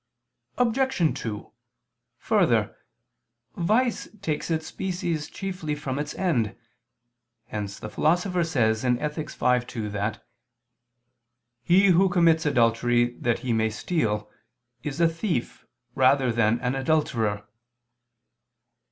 Obj. 2: Further, vice takes its species chiefly from its end; hence the Philosopher says (Ethic. v, 2) that "he who commits adultery that he may steal, is a thief rather than an adulterer."